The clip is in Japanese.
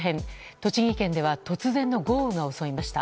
栃木県では突然の豪雨が襲いました。